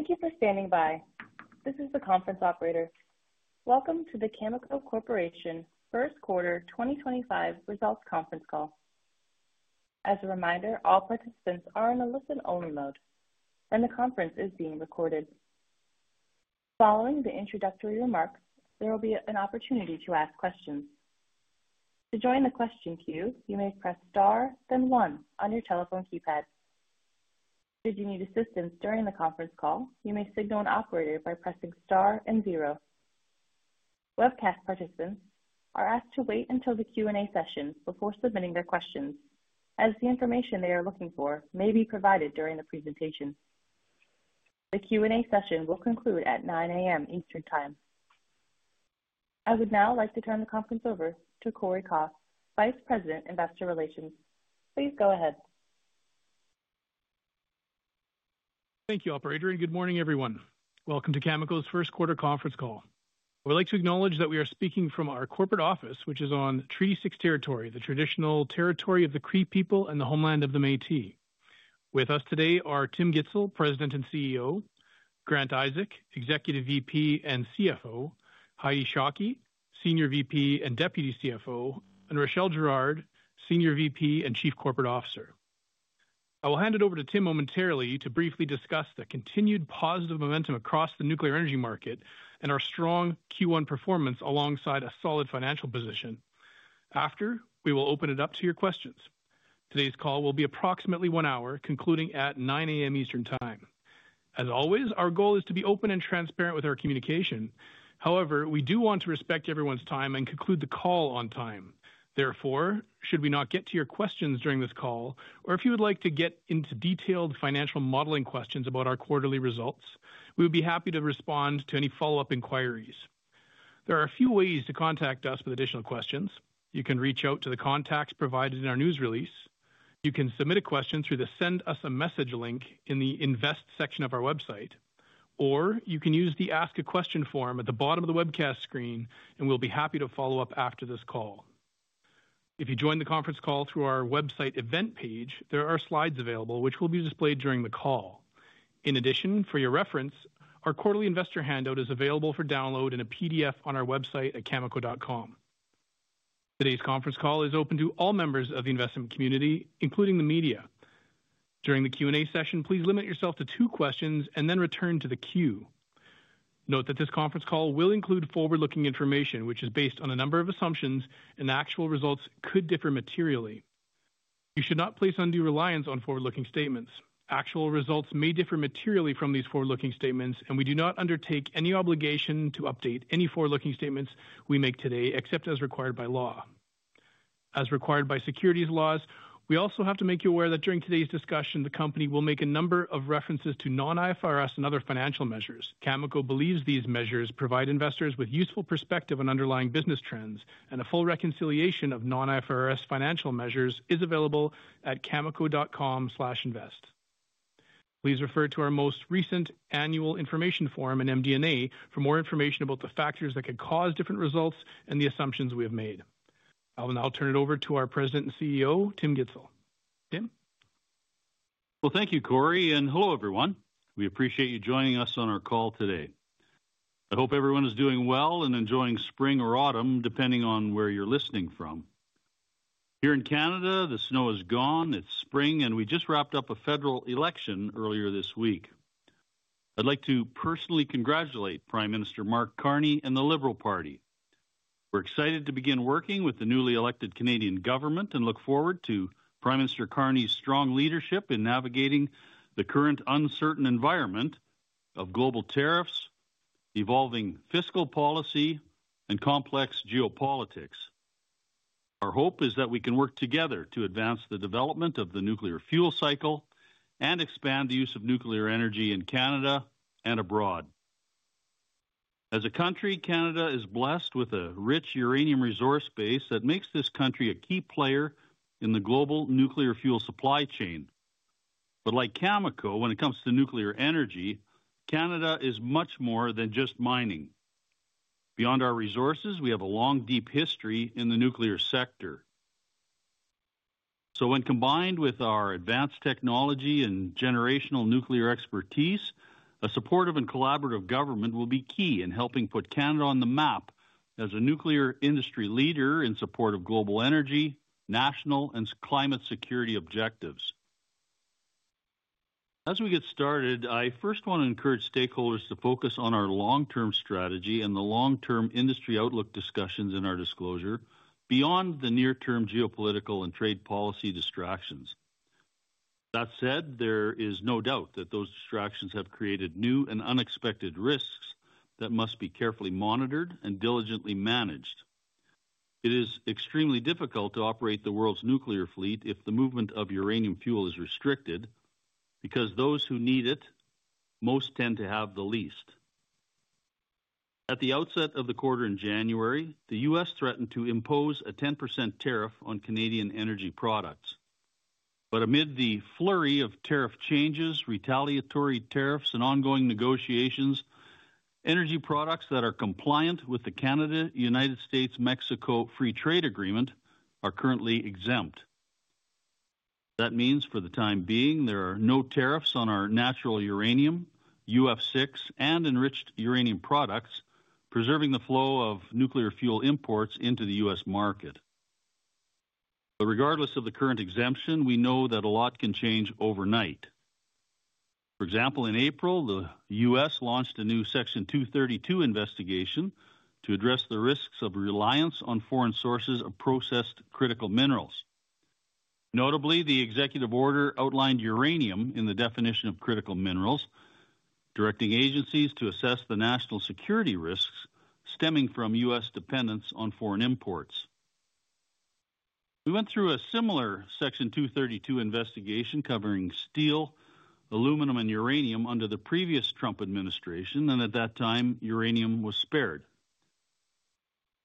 Thank you for standing by. This is the conference operator. Welcome to the Cameco Corporation First Quarter 2025 Results Conference Call. As a reminder, all participants are in a listen-only mode, and the conference is being recorded. Following the introductory remarks, there will be an opportunity to ask questions. To join the question queue, you may press star, then one on your telephone keypad. Should you need assistance during the conference call, you may signal an operator by pressing star and zero. Webcast participants are asked to wait until the Q&A session before submitting their questions, as the information they are looking for may be provided during the presentation. The Q&A session will conclude at 9:00 A.M. Eastern Time. I would now like to turn the conference over to Cory Kos, Vice President, Investor Relations. Please go ahead. Thank you, Operator, and good morning, everyone. Welcome to Cameco's First Quarter Conference Call. I would like to acknowledge that we are speaking from our corporate office, which is on Treaty Six territory, the traditional territory of the Cree people and the homeland of the Métis. With us today are Tim Gitzel, President and CEO; Grant Isaac, Executive VP and CFO; Heidi Shockey, Senior VP and Deputy CFO; and Rachelle Girard, Senior VP and Chief Corporate Officer. I will hand it over to Tim momentarily to briefly discuss the continued positive momentum across the nuclear energy market and our strong Q1 performance alongside a solid financial position. After, we will open it up to your questions. Today's call will be approximately one hour, concluding at 9:00 A.M. Eastern Time. As always, our goal is to be open and transparent with our communication. However, we do want to respect everyone's time and conclude the call on time. Therefore, should we not get to your questions during this call, or if you would like to get into detailed financial modeling questions about our quarterly results, we would be happy to respond to any follow-up inquiries. There are a few ways to contact us with additional questions. You can reach out to the contacts provided in our news release. You can submit a question through the Send Us a Message link in the Invest section of our website, or you can use the Ask a Question form at the bottom of the webcast screen, and we'll be happy to follow up after this call. If you joined the conference call through our website event page, there are slides available, which will be displayed during the call. In addition, for your reference, our quarterly investor handout is available for download in a PDF on our website at cameco.com. Today's conference call is open to all members of the investment community, including the media. During the Q&A session, please limit yourself to two questions and then return to the queue. Note that this conference call will include forward-looking information, which is based on a number of assumptions, and actual results could differ materially. You should not place undue reliance on forward-looking statements. Actual results may differ materially from these forward-looking statements, and we do not undertake any obligation to update any forward-looking statements we make today except as required by law. As required by securities laws, we also have to make you aware that during today's discussion, the company will make a number of references to non-IFRS and other financial measures. Cameco believes these measures provide investors with useful perspective on underlying business trends, and a full reconciliation of non-IFRS financial measures is available at cameco.com/invest. Please refer to our most recent annual information form, and MD&A, for more information about the factors that could cause different results and the assumptions we have made. I will now turn it over to our President and CEO, Tim Gitzel. Tim? Thank you, Cory, and hello, everyone. We appreciate you joining us on our call today. I hope everyone is doing well and enjoying spring or autumn, depending on where you're listening from. Here in Canada, the snow is gone, it's spring, and we just wrapped up a federal election earlier this week. I'd like to personally congratulate Prime Minister Mark Carney and the Liberal Party. We're excited to begin working with the newly elected Canadian government and look forward to Prime Minister Carney's strong leadership in navigating the current uncertain environment of global tariffs, evolving fiscal policy, and complex geopolitics. Our hope is that we can work together to advance the development of the nuclear fuel cycle and expand the use of nuclear energy in Canada and abroad. As a country, Canada is blessed with a rich uranium resource base that makes this country a key player in the global nuclear fuel supply chain. Like Cameco, when it comes to nuclear energy, Canada is much more than just mining. Beyond our resources, we have a long, deep history in the nuclear sector. When combined with our advanced technology and generational nuclear expertise, a supportive and collaborative government will be key in helping put Canada on the map as a nuclear industry leader in support of global energy, national, and climate security objectives. As we get started, I first want to encourage stakeholders to focus on our long-term strategy and the long-term industry outlook discussions in our disclosure, beyond the near-term geopolitical and trade policy distractions. That said, there is no doubt that those distractions have created new and unexpected risks that must be carefully monitored and diligently managed. It is extremely difficult to operate the world's nuclear fleet if the movement of uranium fuel is restricted because those who need it most tend to have the least. At the outset of the quarter in January, the U.S. threatened to impose a 10% tariff on Canadian energy products. Amid the flurry of tariff changes, retaliatory tariffs, and ongoing negotiations, energy products that are compliant with the Canada-United States-Mexico Free Trade Agreement are currently exempt. That means, for the time being, there are no tariffs on our natural uranium, UF6, and enriched uranium products, preserving the flow of nuclear fuel imports into the U.S. market. Regardless of the current exemption, we know that a lot can change overnight. For example, in April, the U.S. launched a new Section 232 investigation to address the risks of reliance on foreign sources of processed critical minerals. Notably, the executive order outlined uranium in the definition of critical minerals, directing agencies to assess the national security risks stemming from U.S. dependence on foreign imports. We went through a similar Section 232 investigation covering steel, aluminum, and uranium under the previous Trump administration, and at that time, uranium was spared.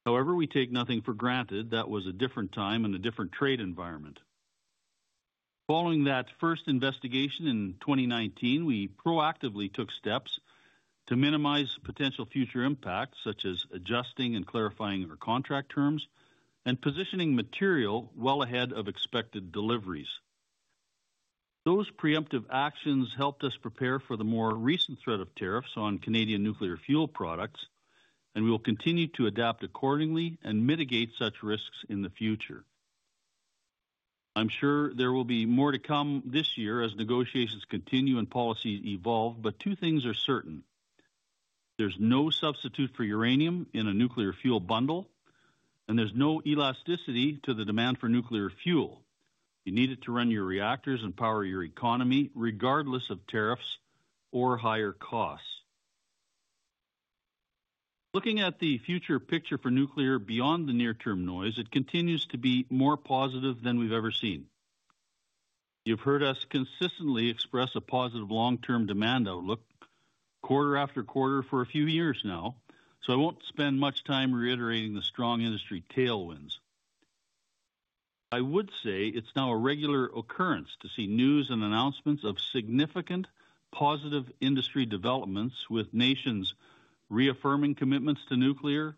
However, we take nothing for granted that was a different time and a different trade environment. Following that first investigation in 2019, we proactively took steps to minimize potential future impacts, such as adjusting and clarifying our contract terms and positioning material well ahead of expected deliveries. Those preemptive actions helped us prepare for the more recent threat of tariffs on Canadian nuclear fuel products, and we will continue to adapt accordingly and mitigate such risks in the future. I'm sure there will be more to come this year as negotiations continue and policies evolve, but two things are certain. There's no substitute for uranium in a nuclear fuel bundle, and there's no elasticity to the demand for nuclear fuel. You need it to run your reactors and power your economy, regardless of tariffs or higher costs. Looking at the future picture for nuclear beyond the near-term noise, it continues to be more positive than we've ever seen. You've heard us consistently express a positive long-term demand outlook quarter-after-quarter for a few years now, so I won't spend much time reiterating the strong industry tailwinds. I would say it's now a regular occurrence to see news and announcements of significant positive industry developments, with nations reaffirming commitments to nuclear,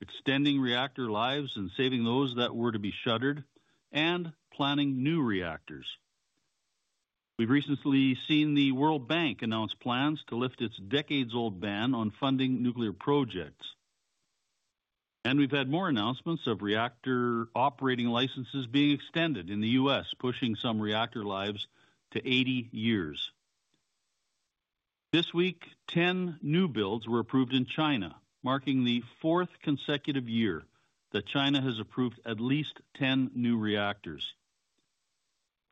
extending reactor lives and saving those that were to be shuttered, and planning new reactors. We've recently seen the World Bank announce plans to lift its decades-old ban on funding nuclear projects. We've had more announcements of reactor operating licenses being extended in the U.S., pushing some reactor lives to 80 years. This week, 10 new builds were approved in China, marking the fourth consecutive year that China has approved at least 10 new reactors.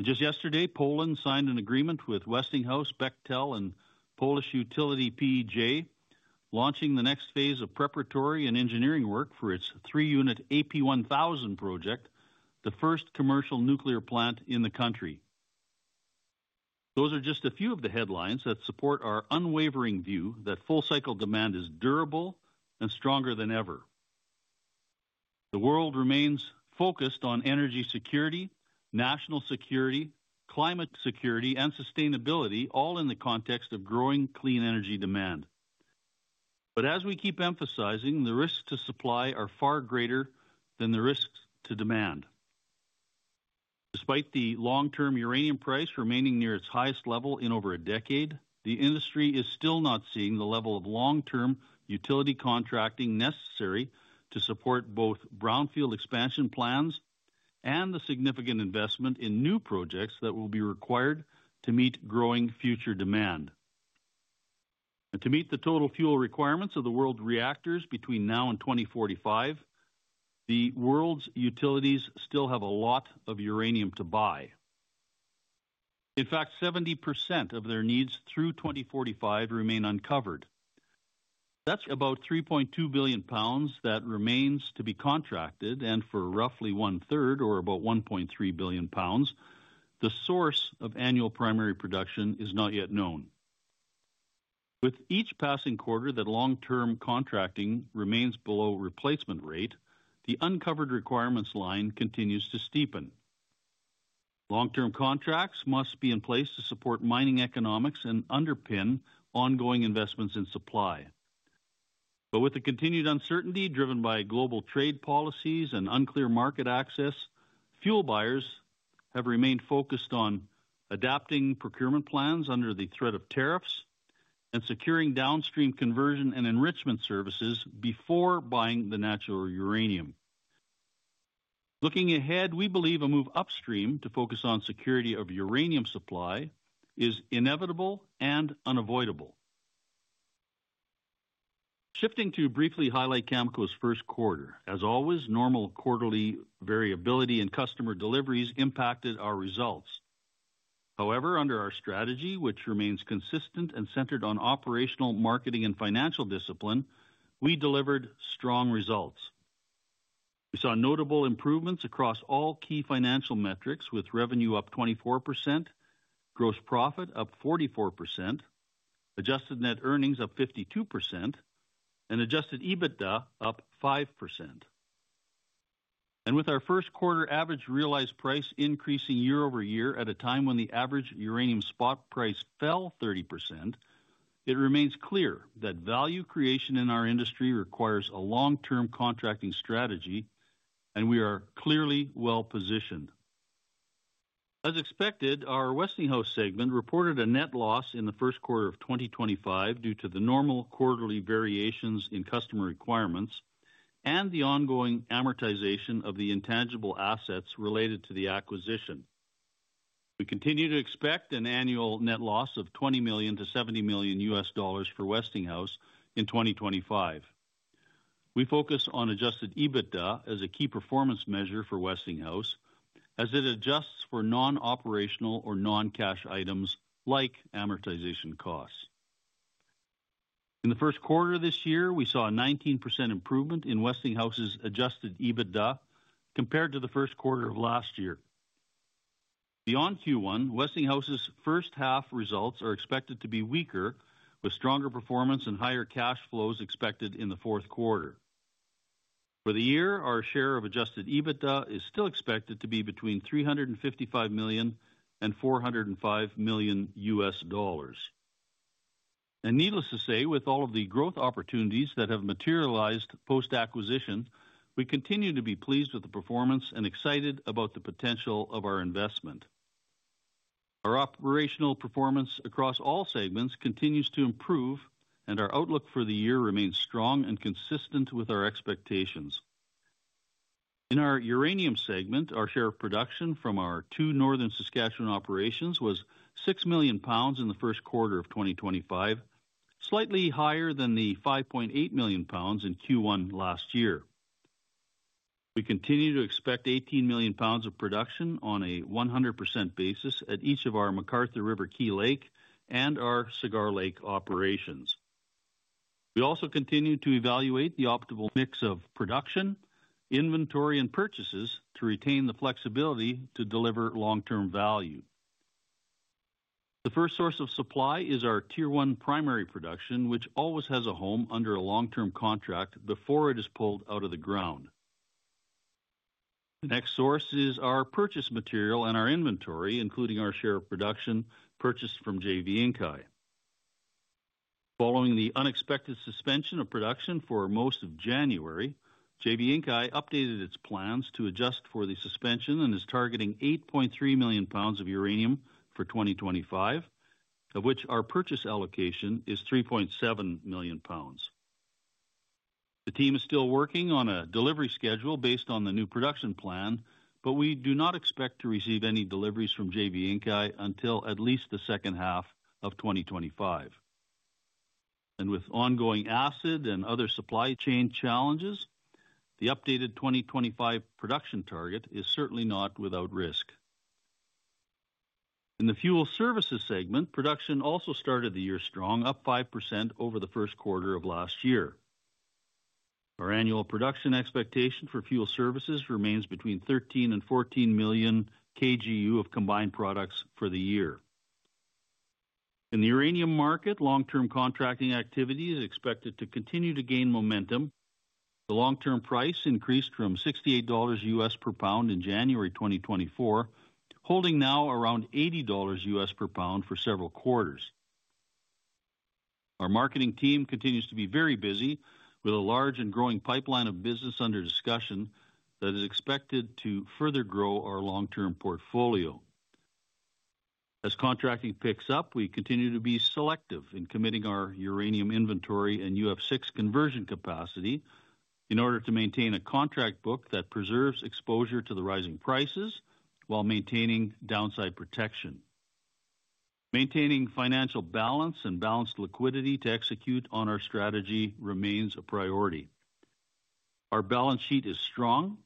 Just yesterday, Poland signed an agreement with Westinghouse, Bechtel, and Polish utility PEJ, launching the next phase of preparatory and engineering work for its three-unit AP1000 project, the first commercial nuclear plant in the country. Those are just a few of the headlines that support our unwavering view that full-cycle demand is durable and stronger than ever. The world remains focused on energy security, national security, climate security, and sustainability, all in the context of growing clean energy demand. As we keep emphasizing, the risks to supply are far greater than the risks to demand. Despite the long-term uranium price remaining near its highest level in over a decade, the industry is still not seeing the level of long-term utility contracting necessary to support both brownfield expansion plans and the significant investment in new projects that will be required to meet growing future demand. To meet the total fuel requirements of the world's reactors between now and 2045, the world's utilities still have a lot of uranium to buy. In fact, 70% of their needs through 2045 remain uncovered. That is about 3.2 billion lbs that remains to be contracted, and for roughly one-third, or about 1.3 billion lbs, the source of annual primary production is not yet known. With each passing quarter that long-term contracting remains below replacement rate, the uncovered requirements line continues to steepen. Long-term contracts must be in place to support mining economics and underpin ongoing investments in supply. With the continued uncertainty driven by global trade policies and unclear market access, fuel buyers have remained focused on adapting procurement plans under the threat of tariffs and securing downstream conversion and enrichment services before buying the natural uranium. Looking ahead, we believe a move upstream to focus on security of uranium supply is inevitable and unavoidable. Shifting to briefly highlight Cameco's first quarter, as always, normal quarterly variability and customer deliveries impacted our results. However, under our strategy, which remains consistent and centered on operational, marketing, and financial discipline, we delivered strong results. We saw notable improvements across all key financial metrics, with revenue up 24%, gross profit up 44%, adjusted net earnings up 52%, and adjusted EBITDA up 5%. With our first quarter average realized price increasing year-over-year at a time when the average uranium spot price fell 30%, it remains clear that value creation in our industry requires a long-term contracting strategy, and we are clearly well positioned. As expected, our Westinghouse segment reported a net loss in the first quarter of 2025 due to the normal quarterly variations in customer requirements and the ongoing amortization of the intangible assets related to the acquisition. We continue to expect an annual net loss of $20 million-$70 million for Westinghouse in 2025. We focus on adjusted EBITDA as a key performance measure for Westinghouse, as it adjusts for non-operational or non-cash items like amortization costs. In the first quarter of this year, we saw a 19% improvement in Westinghouse's adjusted EBITDA compared to the first quarter of last year. Beyond Q1, Westinghouse's first half results are expected to be weaker, with stronger performance and higher cash flows expected in the fourth quarter. For the year, our share of adjusted EBITDA is still expected to be between $355 million and $405 million. Needless to say, with all of the growth opportunities that have materialized post-acquisition, we continue to be pleased with the performance and excited about the potential of our investment. Our operational performance across all segments continues to improve, and our outlook for the year remains strong and consistent with our expectations. In our uranium segment, our share of production from our two Northern Saskatchewan operations was 6 million lbs in the first quarter of 2025, slightly higher than the 5.8 million lbs in Q1 last year. We continue to expect 18 million lbs of production on a 100% basis at each of our McArthur River Key Lake and our Cigar Lake operations. We also continue to evaluate the optimal mix of production, inventory, and purchases to retain the flexibility to deliver long-term value. The first source of supply is our tier one primary production, which always has a home under a long-term contract before it is pulled out of the ground. The next source is our purchased material and our inventory, including our share of production purchased from JV Inkai. Following the unexpected suspension of production for most of January, JV Inkai updated its plans to adjust for the suspension and is targeting 8.3 million lbs of uranium for 2025, of which our purchase allocation is 3.7 million lbs. The team is still working on a delivery schedule based on the new production plan, but we do not expect to receive any deliveries from JV Inkai until at least the second half of 2025. With ongoing acid and other supply chain challenges, the updated 2025 production target is certainly not without risk. In the fuel services segment, production also started the year strong, up 5% over the first quarter of last year. Our annual production expectation for fuel services remains between 13 million and 14 million KGU of combined products for the year. In the uranium market, long-term contracting activity is expected to continue to gain momentum. The long-term price increased from $68/lbs in January 2024, holding now around $80/lbs for several quarters. Our marketing team continues to be very busy, with a large and growing pipeline of business under discussion that is expected to further grow our long-term portfolio. As contracting picks up, we continue to be selective in committing our uranium inventory and UF6 conversion capacity in order to maintain a contract book that preserves exposure to the rising prices while maintaining downside protection. Maintaining financial balance and balanced liquidity to execute on our strategy remains a priority. Our balance sheet is strong,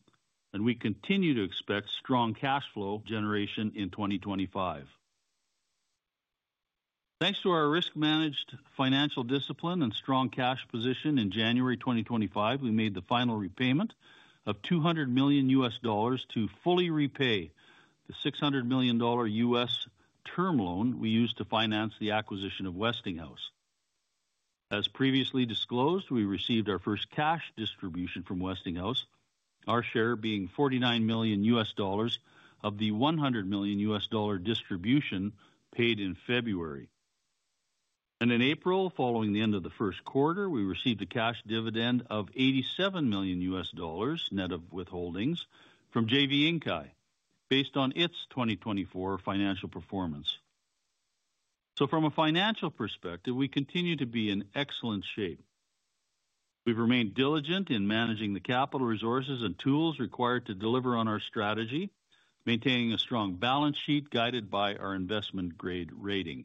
and we continue to expect strong cash flow generation in 2025. Thanks to our risk-managed financial discipline and strong cash position in January 2025, we made the final repayment of $200 million to fully repay the $600 million U.S. term loan we used to finance the acquisition of Westinghouse. As previously disclosed, we received our first cash distribution from Westinghouse, our share being $49 million of the $100 million distribution paid in February. In April, following the end of the first quarter, we received a cash dividend of $87 million net of withholdings from JV Inkai, based on its 2024 financial performance. From a financial perspective, we continue to be in excellent shape. We have remained diligent in managing the capital resources and tools required to deliver on our strategy, maintaining a strong balance sheet guided by our investment grade rating.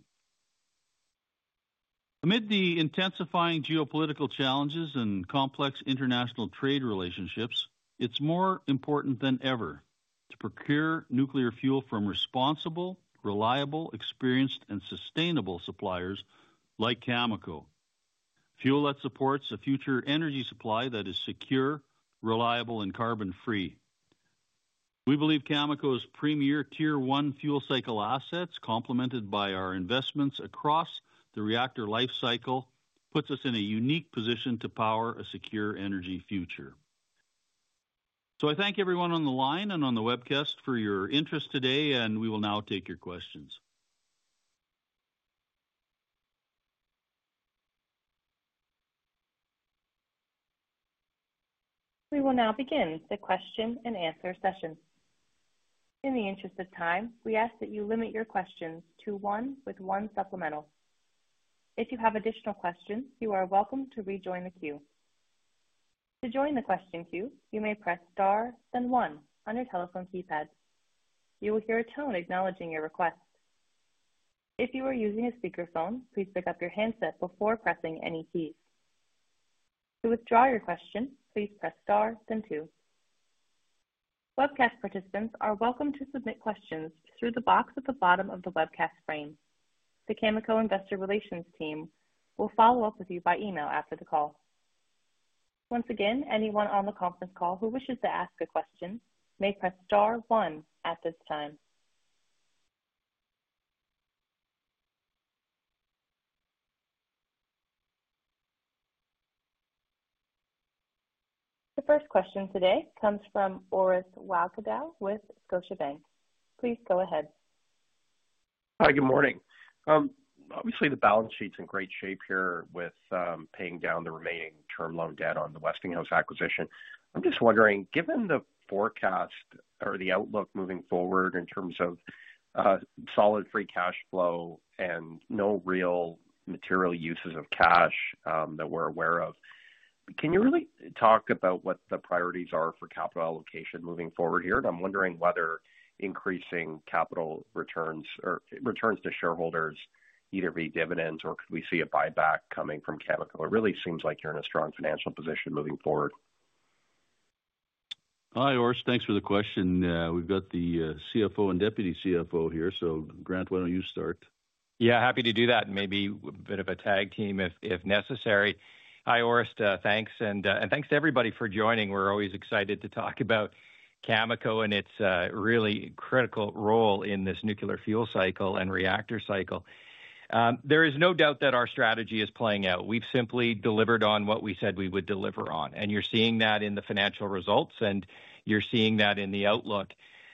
Amid the intensifying geopolitical challenges and complex international trade relationships, it is more important than ever to procure nuclear fuel from responsible, reliable, experienced, and sustainable suppliers like Cameco, fuel that supports a future energy supply that is secure, reliable, and carbon-free. We believe Cameco's premier tier one fuel cycle assets, complemented by our investments across the reactor lifecycle, puts us in a unique position to power a secure energy future. I thank everyone on the line and on the webcast for your interest today, and we will now take your questions. We will now begin the question and answer session. In the interest of time, we ask that you limit your questions to one with one supplemental. If you have additional questions, you are welcome to rejoin the queue. To join the question queue, you may press star then one on your telephone keypad. You will hear a tone acknowledging your request. If you are using a speakerphone, please pick up your handset before pressing any keys. To withdraw your question, please press star then two. Webcast participants are welcome to submit questions through the box at the bottom of the webcast frame. The Cameco Investor Relations team will follow up with you by email after the call. Once again, anyone on the conference call who wishes to ask a question may press star one at this time. The first question today comes from Orris Wowkadow with Scotiabank. Please go ahead. Hi, good morning. Obviously, the balance sheet's in great shape here with paying down the remaining term loan debt on the Westinghouse acquisition. I'm just wondering, given the forecast or the outlook moving forward in terms of solid free cash flow and no real material uses of cash that we're aware of, can you really talk about what the priorities are for capital allocation moving forward here? I'm wondering whether increasing capital returns to shareholders, either be dividends or could we see a buyback coming from Cameco? It really seems like you're in a strong financial position moving forward. Hi, Orris. Thanks for the question. We've got the CFO and Deputy CFO here. Grant, why don't you start? Yeah, happy to do that. Maybe a bit of a tag team if necessary. Hi, Orris. Thanks. And thanks to everybody for joining. We're always excited to talk about Cameco and its really critical role in this nuclear fuel cycle and reactor cycle. There is no doubt that our strategy is playing out. We've simply delivered on what we said we would deliver on. You're seeing that in the financial results, and you're seeing that in the outlook.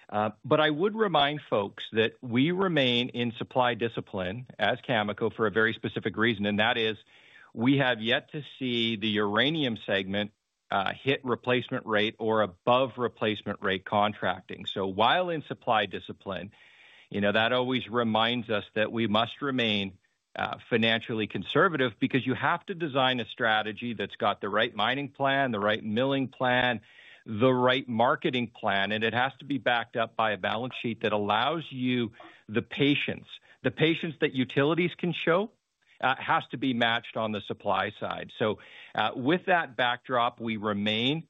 I would remind folks that we remain in supply discipline as Cameco for a very specific reason. We have yet to see the uranium segment hit replacement rate or above replacement rate contracting. While in supply discipline, that always reminds us that we must remain financially conservative because you have to design a strategy that has the right mining plan, the right milling plan, the right marketing plan. It has to be backed up by a balance sheet that allows you the patience. The patience that utilities can show has to be matched on the supply side. With that backdrop, we remain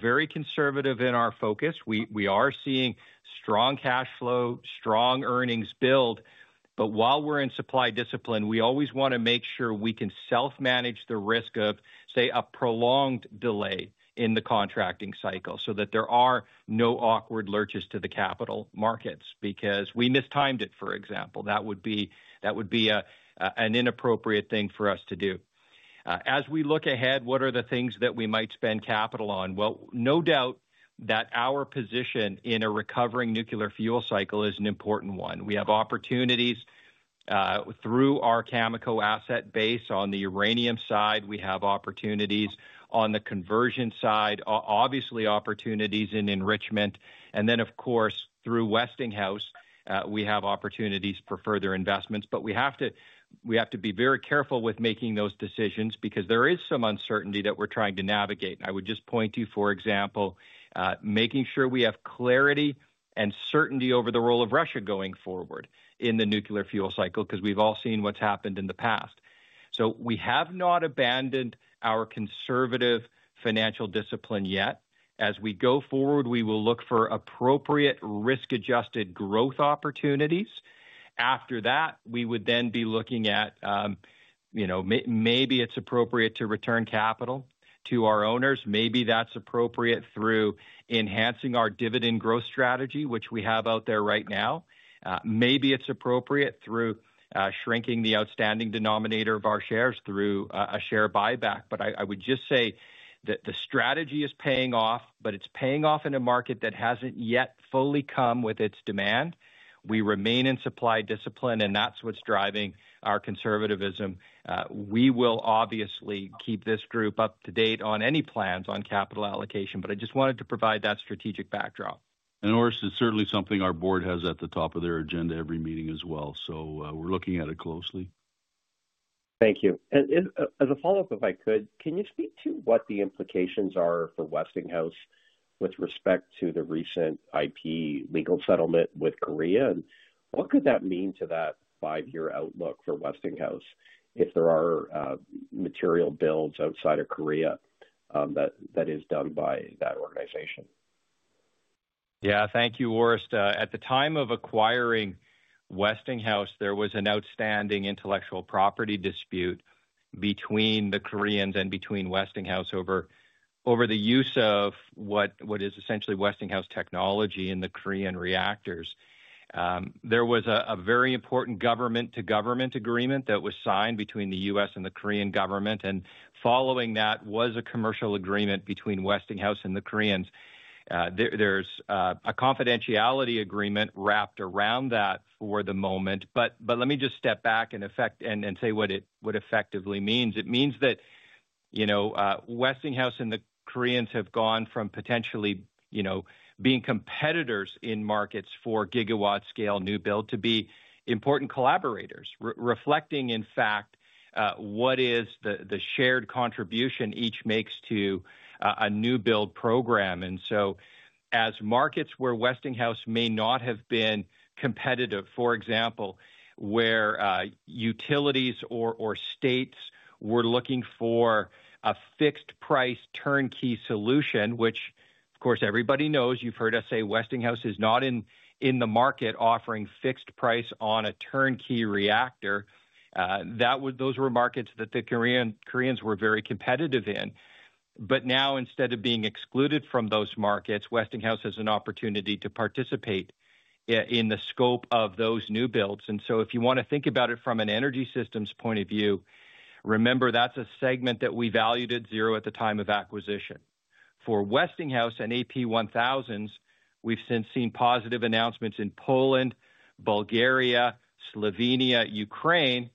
very conservative in our focus. We are seeing strong cash flow, strong earnings build. While we are in supply discipline, we always want to make sure we can self-manage the risk of, say, a prolonged delay in the contracting cycle so that there are no awkward lurches to the capital markets because we mistimed it, for example. That would be an inappropriate thing for us to do. As we look ahead, what are the things that we might spend capital on? No doubt that our position in a recovering nuclear fuel cycle is an important one. We have opportunities through our Cameco asset base on the uranium side. We have opportunities on the conversion side, obviously opportunities in enrichment. Of course, through Westinghouse, we have opportunities for further investments. We have to be very careful with making those decisions because there is some uncertainty that we're trying to navigate. I would just point to, for example, making sure we have clarity and certainty over the role of Russia going forward in the nuclear fuel cycle because we've all seen what's happened in the past. We have not abandoned our conservative financial discipline yet. As we go forward, we will look for appropriate risk-adjusted growth opportunities. After that, we would then be looking at maybe it's appropriate to return capital to our owners. Maybe that's appropriate through enhancing our dividend growth strategy, which we have out there right now. Maybe it's appropriate through shrinking the outstanding denominator of our shares through a share buyback. I would just say that the strategy is paying off, but it's paying off in a market that hasn't yet fully come with its demand. We remain in supply discipline, and that's what's driving our conservatism. We will obviously keep this group up to date on any plans on capital allocation. I just wanted to provide that strategic backdrop. Orris is certainly something our board has at the top of their agenda every meeting as well. We are looking at it closely. Thank you. As a follow-up, if I could, can you speak to what the implications are for Westinghouse with respect to the recent IP legal settlement with Korea? What could that mean to that five-year outlook for Westinghouse if there are material builds outside of Korea that is done by that organization? Thank you, Orris. At the time of acquiring Westinghouse, there was an outstanding intellectual property dispute between the Koreans and between Westinghouse over the use of what is essentially Westinghouse technology in the Korean reactors. There was a very important government-to-government agreement that was signed between the U.S. and the Korean government. Following that was a commercial agreement between Westinghouse and the Koreans. There is a confidentiality agreement wrapped around that for the moment. Let me just step back and say what it effectively means. It means that Westinghouse and the Koreans have gone from potentially being competitors in markets for gigawatt-scale new build to be important collaborators, reflecting, in fact, what is the shared contribution each makes to a new build program. As markets where Westinghouse may not have been competitive, for example, where utilities or states were looking for a fixed-price turnkey solution, which, of course, everybody knows, you've heard us say Westinghouse is not in the market offering fixed price on a turnkey reactor, those were markets that the Koreans were very competitive in. Now, instead of being excluded from those markets, Westinghouse has an opportunity to participate in the scope of those new builds. If you want to think about it from an energy systems point of view, remember that's a segment that we valued at zero at the time of acquisition. For Westinghouse and AP1000s, we've since seen positive announcements in Poland, Bulgaria, Slovenia, Ukraine.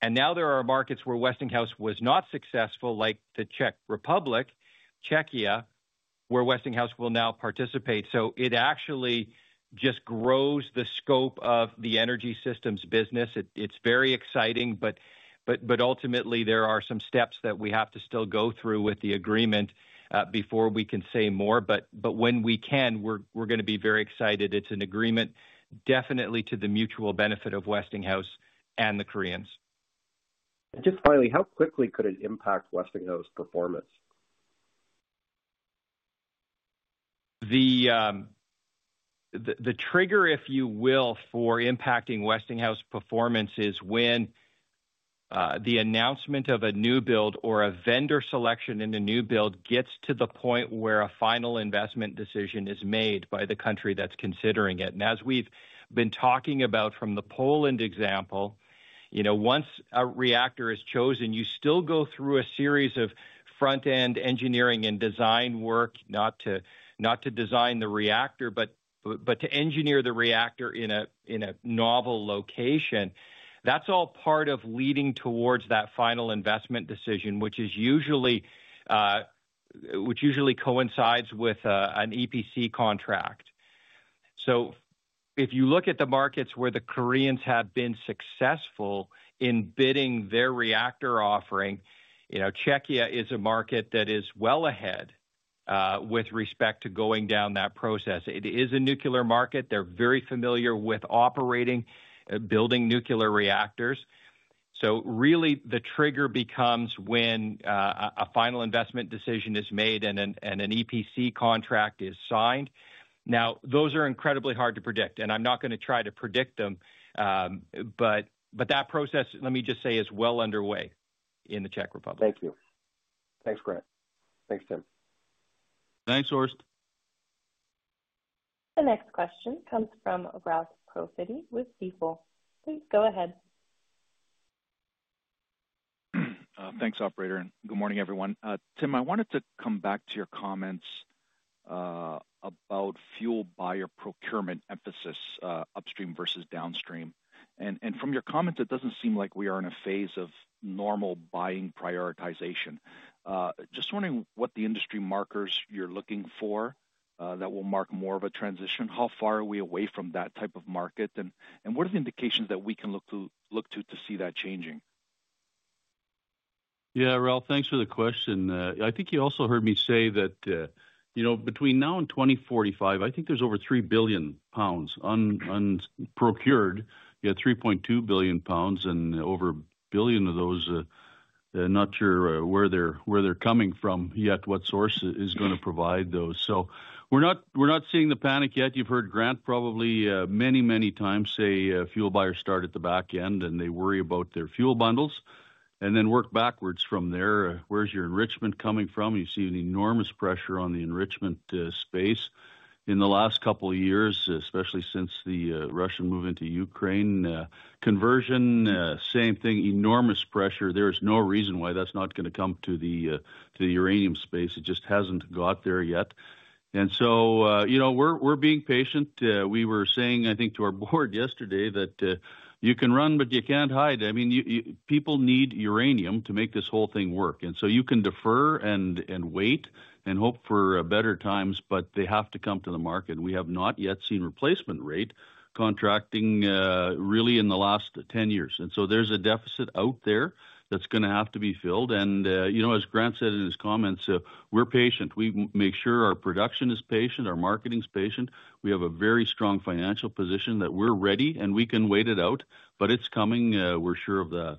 There are markets where Westinghouse was not successful, like the Czech Republic, Czechia, where Westinghouse will now participate. It actually just grows the scope of the energy systems business. It's very exciting. Ultimately, there are some steps that we have to still go through with the agreement before we can say more. When we can, we're going to be very excited. It's an agreement definitely to the mutual benefit of Westinghouse and the Koreans. Just finally, how quickly could it impact Westinghouse performance? The trigger, if you will, for impacting Westinghouse performance is when the announcement of a new build or a vendor selection in a new build gets to the point where a final investment decision is made by the country that's considering it. As we've been talking about from the Poland example, once a reactor is chosen, you still go through a series of front-end engineering and design work, not to design the reactor, but to engineer the reactor in a novel location. That's all part of leading towards that final investment decision, which usually coincides with an EPC contract. If you look at the markets where the Koreans have been successful in bidding their reactor offering, Czechia is a market that is well ahead with respect to going down that process. It is a nuclear market. They're very familiar with operating, building nuclear reactors. Really, the trigger becomes when a final investment decision is made and an EPC contract is signed. Now, those are incredibly hard to predict. I'm not going to try to predict them. That process, let me just say, is well underway in the Czech Republic. Thank you. Thanks, Grant. Thanks, Tim. Thanks, Orris. The next question comes from Ralph Procity with Siegel. Please go ahead. Thanks, operator. And good morning, everyone. Tim, I wanted to come back to your comments about fuel buyer procurement emphasis, upstream versus downstream. From your comments, it does not seem like we are in a phase of normal buying prioritization. Just wondering what the industry markers you are looking for that will mark more of a transition. How far are we away from that type of market? What are the indications that we can look to see that changing? Yeah, Ralph, thanks for the question. I think you also heard me say that between now and 2045, I think there is over 3 billion pounds procured. You have 3.2 billion pounds, and over a billion of those, not sure where they're coming from yet, what source is going to provide those. We are not seeing the panic yet. You have heard Grant probably many, many times say fuel buyers start at the back end, and they worry about their fuel bundles, and then work backwards from there. Where is your enrichment coming from? You see an enormous pressure on the enrichment space in the last couple of years, especially since the Russian move into Ukraine conversion. Same thing, enormous pressure. There is no reason why that is not going to come to the uranium space. It just has not got there yet. We are being patient. We were saying, I think, to our board yesterday that you can run, but you cannot hide. I mean, people need uranium to make this whole thing work. You can defer and wait and hope for better times, but they have to come to the market. We have not yet seen replacement rate contracting really in the last 10 years. There is a deficit out there that is going to have to be filled. As Grant said in his comments, we are patient. We make sure our production is patient, our marketing is patient. We have a very strong financial position that we are ready, and we can wait it out, but it is coming. We are sure of that.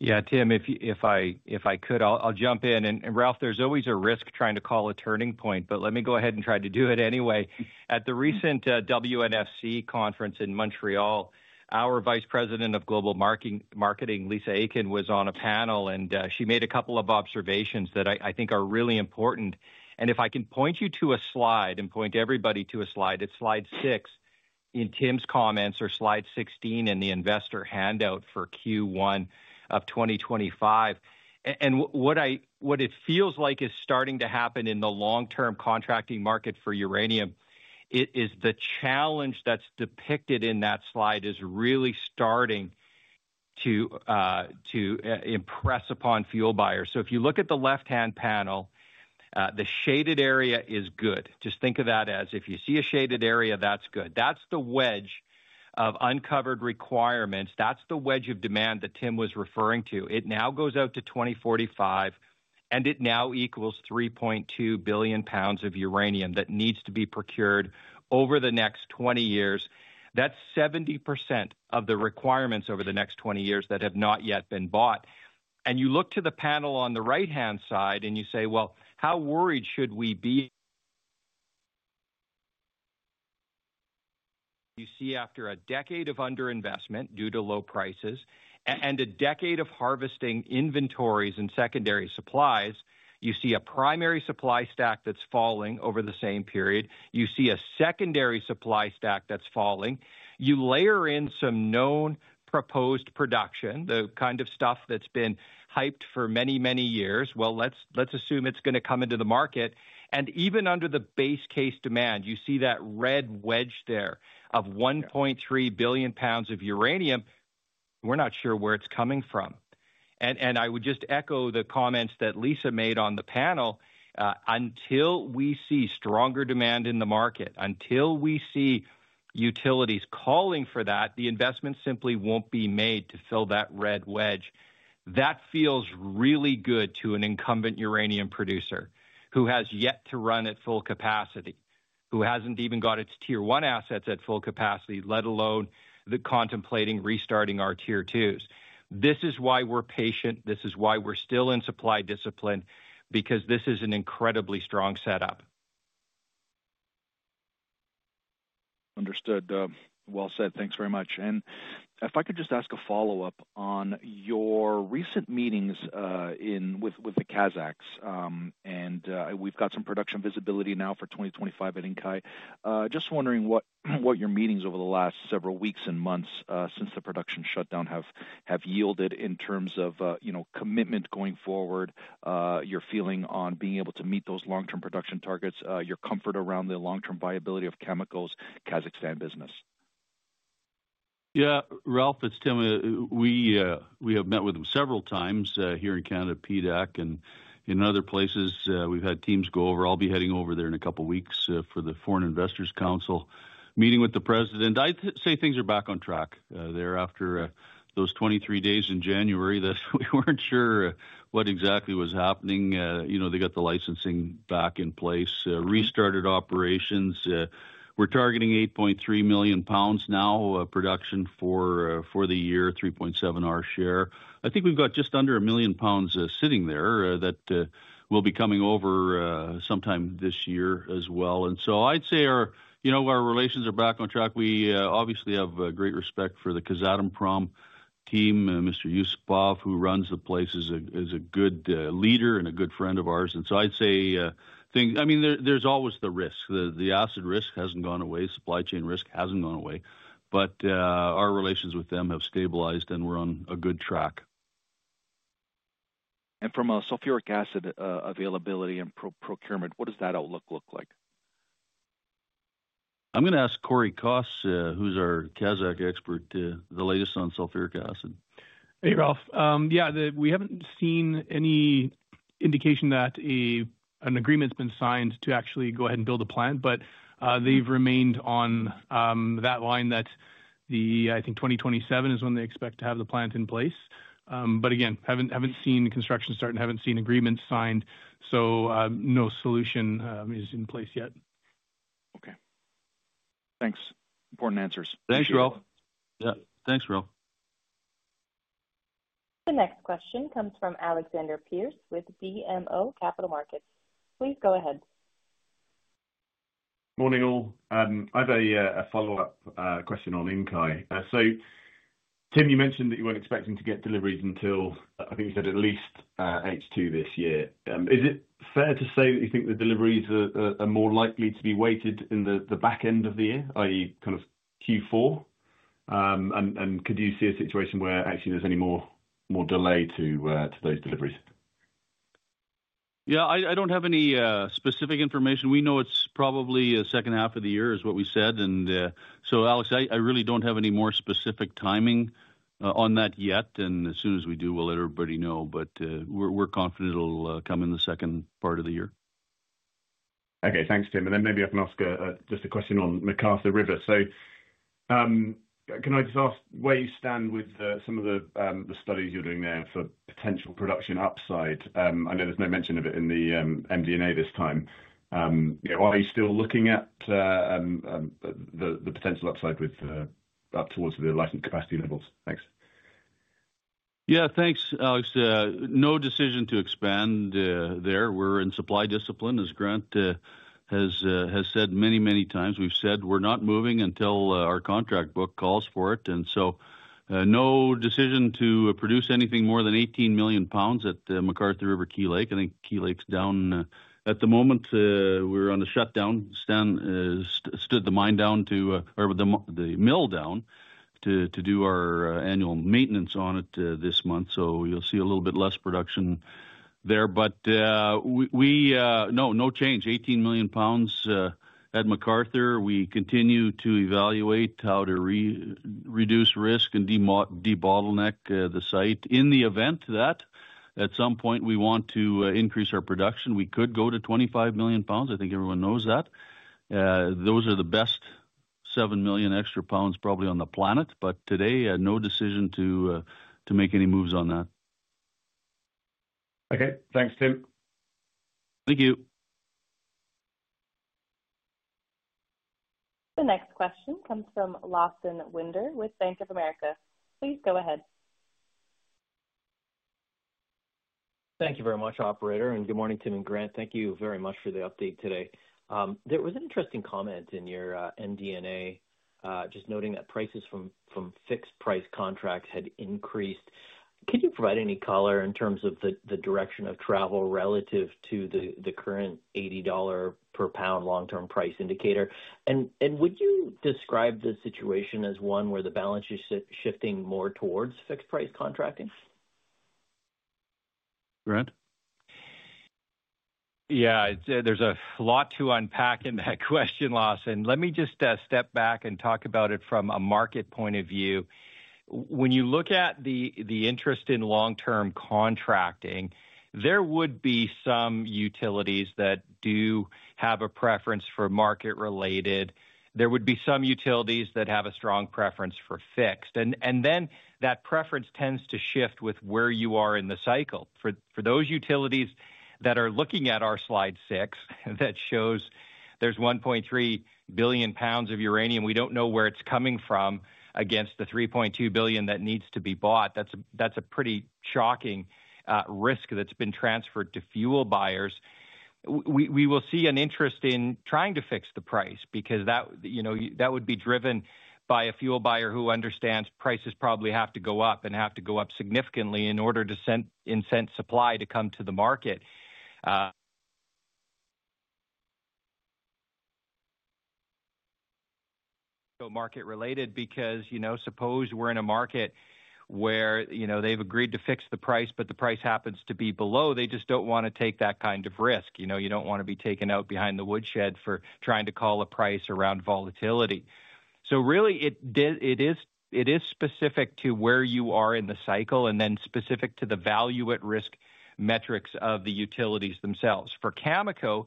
Yeah, Tim, if I could, I will jump in. Ralph, there is always a risk trying to call a turning point, but let me go ahead and try to do it anyway. At the recent WNFC conference in Montreal, our Vice President of Global Marketing, Lisa Aiken, was on a panel, and she made a couple of observations that I think are really important. If I can point you to a slide and point everybody to a slide, it's slide 6 in Tim's comments or slide 16 in the investor handout for Q1 of 2025. What it feels like is starting to happen in the long-term contracting market for uranium is the challenge that's depicted in that slide is really starting to impress upon fuel buyers. If you look at the left-hand panel, the shaded area is good. Just think of that as if you see a shaded area, that's good. That's the wedge of uncovered requirements. That's the wedge of demand that Tim was referring to. It now goes out to 2045, and it now equals 3.2 billion pounds of uranium that needs to be procured over the next 20 years. That's 70% of the requirements over the next 20 years that have not yet been bought. You look to the panel on the right-hand side and you say, well, how worried should we be? You see after a decade of underinvestment due to low prices and a decade of harvesting inventories and secondary supplies, you see a primary supply stack that's falling over the same period. You see a secondary supply stack that's falling. You layer in some known proposed production, the kind of stuff that's been hyped for many, many years. Let's assume it's going to come into the market. Even under the base case demand, you see that red wedge there of 1.3 billion pounds of uranium. We're not sure where it's coming from. I would just echo the comments that Lisa made on the panel. Until we see stronger demand in the market, until we see utilities calling for that, the investment simply won't be made to fill that red wedge. That feels really good to an incumbent uranium producer who has yet to run at full capacity, who hasn't even got its tier one assets at full capacity, let alone contemplating restarting our tier twos. This is why we're patient. This is why we're still in supply discipline, because this is an incredibly strong setup. Understood. Well said. Thanks very much. If I could just ask a follow-up on your recent meetings with the Kazakhs, and we've got some production visibility now for 2025 at Inkai. Just wondering what your meetings over the last several weeks and months since the production shutdown have yielded in terms of commitment going forward, your feeling on being able to meet those long-term production targets, your comfort around the long-term viability of Cameco's Kazakhstan business. Yeah, Ralph, it's Tim. We have met with them several times here in Canada, PDAC, and in other places. We've had teams go over. I'll be heading over there in a couple of weeks for the Foreign Investors Council meeting with the president. I'd say things are back on track there after those 23 days in January that we weren't sure what exactly was happening. They got the licensing back in place, restarted operations. We're targeting 8.3 million pounds now production for the year, 3.7 our share. I think we've got just under a million pounds sitting there that will be coming over sometime this year as well. I'd say our relations are back on track. We obviously have great respect for the Kazatomprom team, Mr. Yusupov, who runs the place as a good leader and a good friend of ours. I'd say, I mean, there's always the risk. The asset risk hasn't gone away. Supply chain risk hasn't gone away. Our relations with them have stabilized, and we're on a good track. From a sulfuric acid availability and procurement, what does that outlook look like? I'm going to ask Cory Kos, who's our Kazakh expert, the latest on sulfuric acid. Hey, Ralph. Yeah, we have not seen any indication that an agreement has been signed to actually go ahead and build a plant, but they have remained on that line that the, I think, 2027 is when they expect to have the plant in place. Again, have not seen construction start and have not seen agreements signed. No solution is in place yet. Okay. Thanks. Important answers. Thanks, Ralph. Yeah. Thanks, Ralph. The next question comes from Alexander Pearce with BMO Capital Markets. Please go ahead. Morning, all. I have a follow-up question on Inkai. Tim, you mentioned that you were not expecting to get deliveries until, I think you said at least H2 this year. Is it fair to say that you think the deliveries are more likely to be weighted in the back end of the year, i.e., kind of Q4? Could you see a situation where actually there's any more delay to those deliveries? Yeah, I don't have any specific information. We know it's probably the second half of the year is what we said. Alex, I really don't have any more specific timing on that yet. As soon as we do, we'll let everybody know. We're confident it'll come in the second part of the year. Okay. Thanks, Tim. Maybe I can ask just a question on McArthur River. Can I just ask where you stand with some of the studies you're doing there for potential production upside? I know there's no mention of it in the MD&A this time. Are you still looking at the potential upside up towards the licensed capacity levels? Thanks. Yeah, thanks, Alex. No decision to expand there. We're in supply discipline, as Grant has said many, many times. We've said we're not moving until our contract book calls for it. No decision to produce anything more than 18 million pounds at MacArthur River Key Lake. I think Key Lake's down at the moment. We're on the shutdown. Stan stood the mine down to, or the mill down to do our annual maintenance on it this month. You'll see a little bit less production there. No change. 18 million pounds at MacArthur. We continue to evaluate how to reduce risk and debottleneck the site. In the event that at some point we want to increase our production, we could go to 25 million pounds. I think everyone knows that. Those are the best 7 million extra pounds probably on the planet. Today, no decision to make any moves on that. Okay. Thanks, Tim. Thank you. The next question comes from Lawson Winder with Bank of America. Please go ahead. Thank you very much, operator. Good morning, Tim and Grant. Thank you very much for the update today. There was an interesting comment in your MD&A just noting that prices from fixed price contracts had increased. Could you provide any color in terms of the direction of travel relative to the current $80 per GBP long-term price indicator? Would you describe the situation as one where the balance is shifting more towards fixed price contracting? Grant? Yeah, there's a lot to unpack in that question, Lawson. Let me just step back and talk about it from a market point of view. When you look at the interest in long-term contracting, there would be some utilities that do have a preference for market-related. There would be some utilities that have a strong preference for fixed. That preference tends to shift with where you are in the cycle. For those utilities that are looking at our slide 6, that shows there is 1.3 billion pounds of uranium. We do not know where it is coming from against the 3.2 billion that needs to be bought. That is a pretty shocking risk that has been transferred to fuel buyers. We will see an interest in trying to fix the price because that would be driven by a fuel buyer who understands prices probably have to go up and have to go up significantly in order to incent supply to come to the market. Market-related, because suppose we are in a market where they have agreed to fix the price, but the price happens to be below, they just do not want to take that kind of risk. You don't want to be taken out behind the woodshed for trying to call a price around volatility. It is specific to where you are in the cycle and then specific to the value-at-risk metrics of the utilities themselves. For Cameco,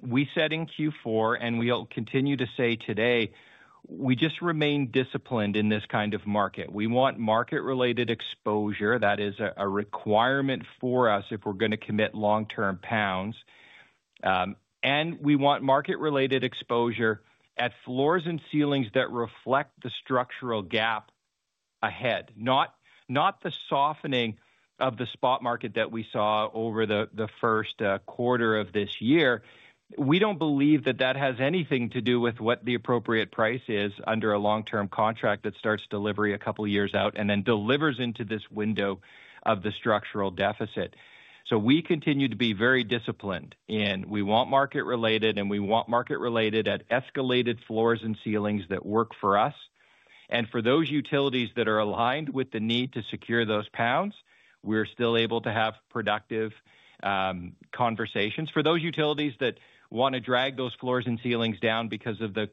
we said in Q4, and we'll continue to say today, we just remain disciplined in this kind of market. We want market-related exposure. That is a requirement for us if we're going to commit long-term pounds. We want market-related exposure at floors and ceilings that reflect the structural gap ahead, not the softening of the spot market that we saw over the first quarter of this year. We don't believe that that has anything to do with what the appropriate price is under a long-term contract that starts delivery a couple of years out and then delivers into this window of the structural deficit. We continue to be very disciplined, and we want market-related, and we want market-related at escalated floors and ceilings that work for us. For those utilities that are aligned with the need to secure those pounds, we're still able to have productive conversations. For those utilities that want to drag those floors and ceilings down because of the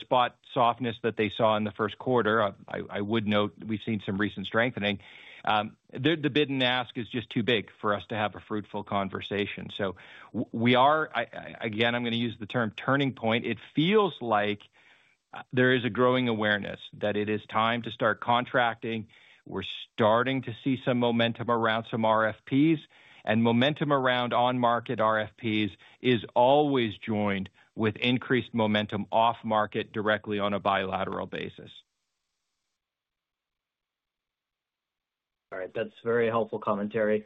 spot softness that they saw in the first quarter, I would note we've seen some recent strengthening, the bid and ask is just too big for us to have a fruitful conversation. We are, again, I'm going to use the term turning point. It feels like there is a growing awareness that it is time to start contracting. We're starting to see some momentum around some RFPs. Momentum around on-market RFPs is always joined with increased momentum off-market directly on a bilateral basis. All right. That's very helpful commentary.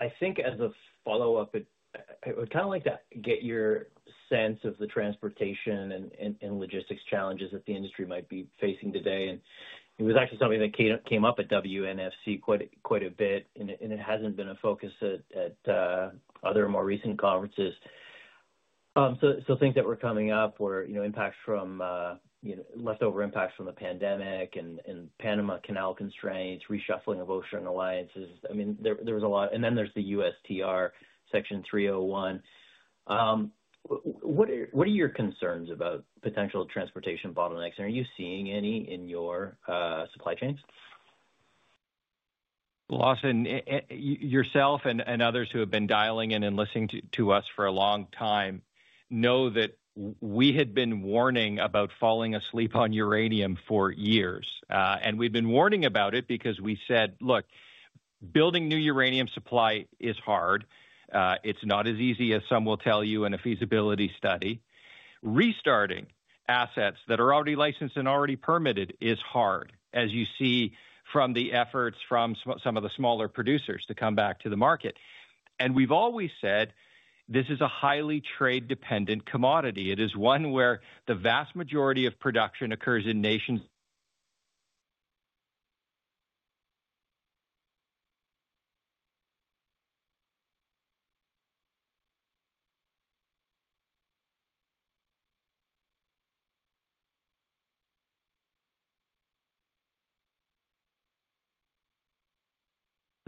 I think as a follow-up, I would kind of like to get your sense of the transportation and logistics challenges that the industry might be facing today. It was actually something that came up at WNFC quite a bit, and it hasn't been a focus at other more recent conferences. Things that were coming up were leftover impacts from the pandemic and Panama Canal constraints, reshuffling of ocean alliances. I mean, there was a lot. There is the U.S.TR, Section 301. What are your concerns about potential transportation bottlenecks? Are you seeing any in your supply chains? Lawson, yourself and others who have been dialing in and listening to us for a long time know that we had been warning about falling asleep on uranium for years. We've been warning about it because we said, "Look, building new uranium supply is hard. It's not as easy as some will tell you in a feasibility study. Restarting assets that are already licensed and already permitted is hard, as you see from the efforts from some of the smaller producers to come back to the market." We've always said, "This is a highly trade-dependent commodity. It is one where the vast majority of production occurs in nations."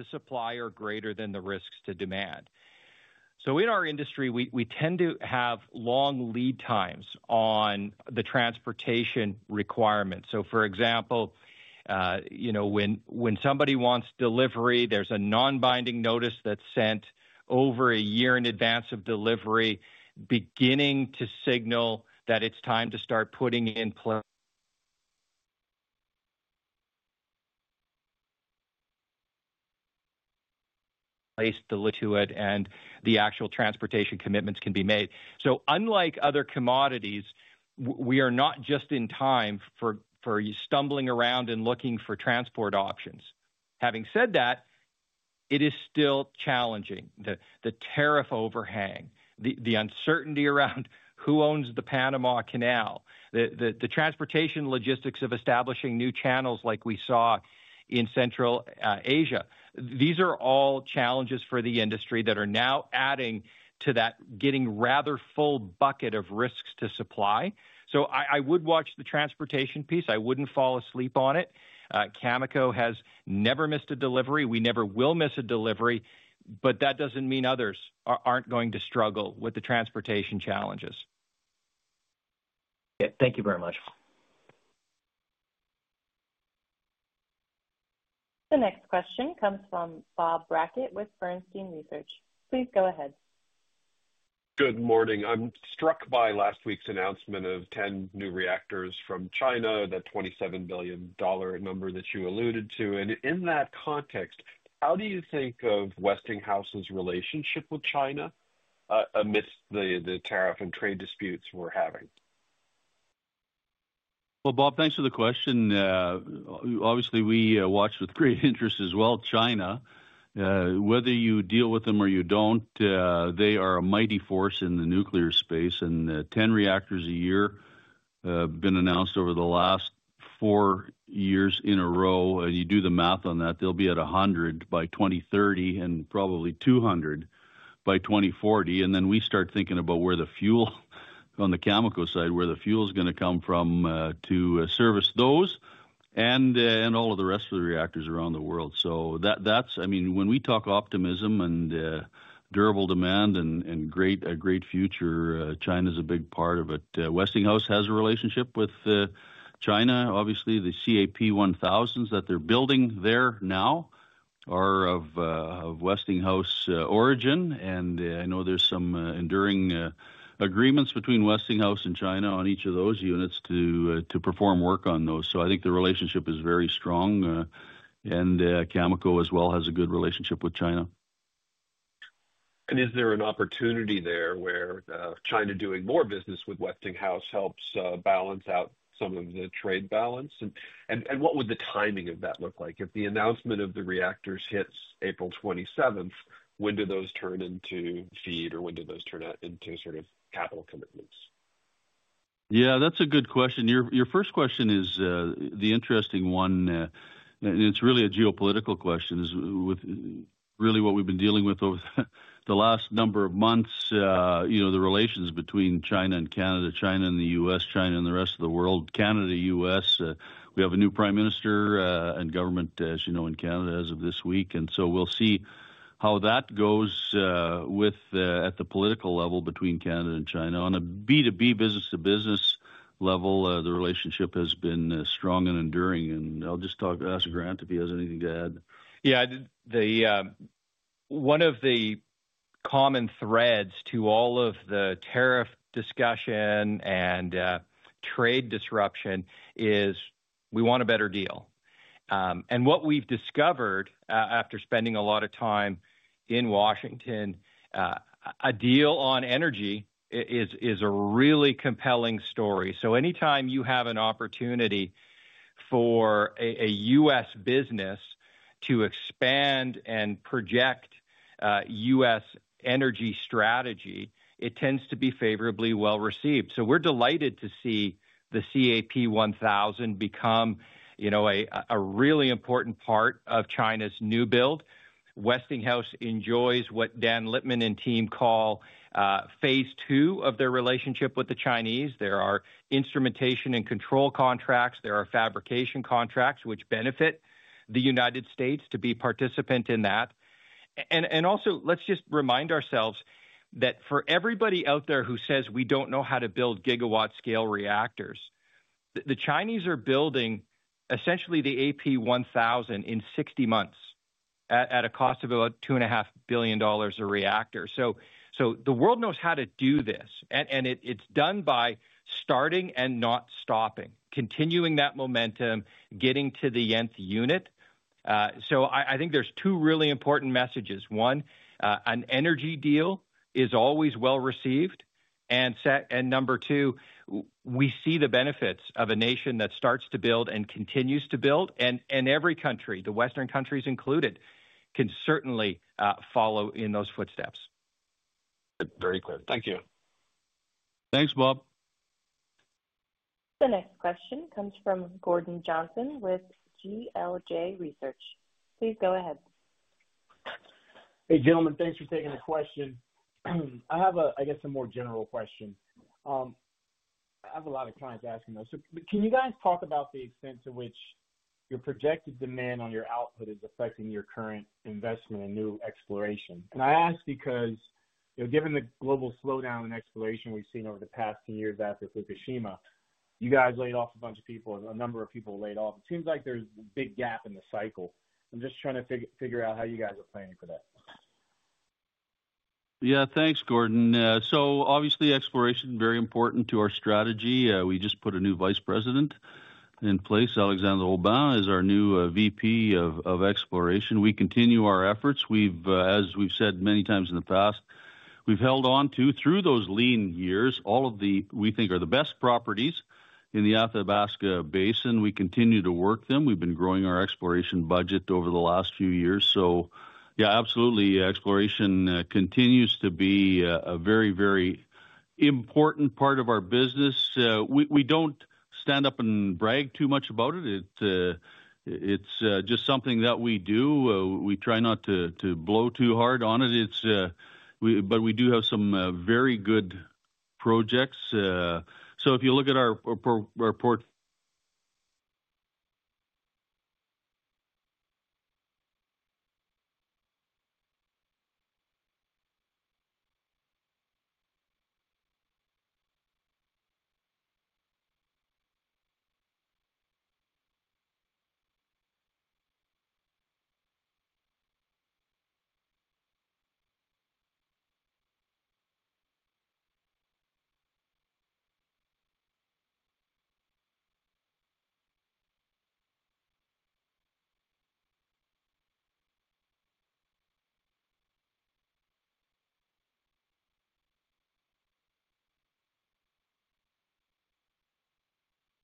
The supply are greater than the risks to demand. In our industry, we tend to have long lead times on the transportation requirements. For example, when somebody wants delivery, there's a non-binding notice that's sent over a year in advance of delivery, beginning to signal that it's time to start putting in place. Place the. To it, and the actual transportation commitments can be made. Unlike other commodities, we are not just in time for stumbling around and looking for transport options. Having said that, it is still challenging. The tariff overhang, the uncertainty around who owns the Panama Canal, the transportation logistics of establishing new channels like we saw in Central Asia, these are all challenges for the industry that are now adding to that getting rather full bucket of risks to supply. I would watch the transportation piece. I would not fall asleep on it. Cameco has never missed a delivery. We never will miss a delivery. That does not mean others are not going to struggle with the transportation challenges. Thank you very much. The next question comes from Bob Brackett with Bernstein Research. Please go ahead. Good morning. I am struck by last week's announcement of 10 new reactors from China, that $27 billion number that you alluded to. In that context, how do you think of Westinghouse's relationship with China amidst the tariff and trade disputes we're having? Bob, thanks for the question. Obviously, we watch with great interest as well China. Whether you deal with them or you don't, they are a mighty force in the nuclear space. Ten reactors a year have been announced over the last four years in a row. You do the math on that, they'll be at 100 by 2030 and probably 200 by 2040. We start thinking about where the fuel on the Cameco side, where the fuel is going to come from to service those and all of the rest of the reactors around the world. When we talk optimism and durable demand and a great future, China's a big part of it. Westinghouse has a relationship with China. Obviously, the CAP 1000s that they're building there now are of Westinghouse origin. I know there's some enduring agreements between Westinghouse and China on each of those units to perform work on those. I think the relationship is very strong. Cameco as well has a good relationship with China. Is there an opportunity there where China doing more business with Westinghouse helps balance out some of the trade balance? What would the timing of that look like? If the announcement of the reactors hits April 27th, when do those turn into feed or when do those turn into sort of capital commitments? Yeah, that's a good question. Your first question is the interesting one. It is really a geopolitical question with really what we have been dealing with over the last number of months, the relations between China and Canada, China and the U.S., China and the rest of the world, Canada-U.S. We have a new Prime Minister and government, as you know, in Canada as of this week. We will see how that goes at the political level between Canada and China. On a B2B business-to-business level, the relationship has been strong and enduring. I will just ask Grant if he has anything to add. Yeah. One of the common threads to all of the tariff discussion and trade disruption is we want a better deal. What we have discovered after spending a lot of time in Washington, a deal on energy is a really compelling story. Anytime you have an opportunity for a U.S. business to expand and project U.S. energy strategy, it tends to be favorably well received. We are delighted to see the AP1000 become a really important part of China's new build. Westinghouse enjoys what Dan Lipman and team call phase II of their relationship with the Chinese. There are instrumentation and control contracts. There are fabrication contracts which benefit the United States to be participant in that. Also, let's just remind ourselves that for everybody out there who says we do not know how to build gigawatt-scale reactors, the Chinese are building essentially the AP1000 in 60 months at a cost of about $2.5 billion a reactor. The world knows how to do this. It is done by starting and not stopping, continuing that momentum, getting to the nth unit. I think there are two really important messages. One, an energy deal is always well received. Number two, we see the benefits of a nation that starts to build and continues to build. Every country, the Western countries included, can certainly follow in those footsteps. Very clear. Thank you. Thanks, Bob. The next question comes from Gordon Johnson with GLJ Research. Please go ahead. Hey, gentlemen, thanks for taking the question. I have, I guess, a more general question. I have a lot of clients asking this. Can you guys talk about the extent to which your projected demand on your output is affecting your current investment in new exploration? I ask because given the global slowdown in exploration we have seen over the past few years after Fukushima, you guys laid off a bunch of people, a number of people laid off. It seems like there is a big gap in the cycle. I'm just trying to figure out how you guys are planning for that. Yeah, thanks, Gordon. Obviously, exploration is very important to our strategy. We just put a new Vice President in place. Alexander Robert Peel Pearce is our new VP of exploration. We continue our efforts. As we've said many times in the past, we've held on to, through those lean years, all of the, we think, are the best properties in the Athabasca Basin. We continue to work them. We've been growing our exploration budget over the last few years. Yeah, absolutely, exploration continues to be a very, very important part of our business. We don't stand up and brag too much about it. It's just something that we do. We try not to blow too hard on it. We do have some very good projects. If you look at our port.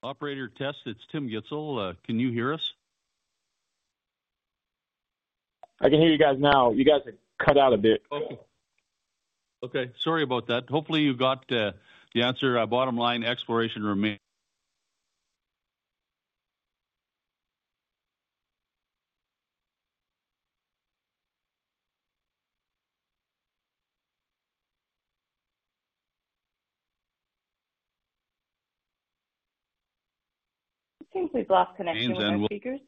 Operator test, it's Tim Gitzel. Can you hear us? I can hear you guys now. You guys are cut out a bit. Okay. Sorry about that. Hopefully, you got the answer. Bottom line, exploration remains. Seems we've lost connection. Speakers.